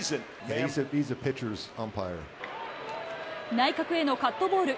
内角へのカットボール。